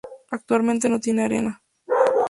Actualmente no tiene arena.